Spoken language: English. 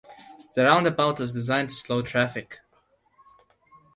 The roundabout was designed to slow traffic.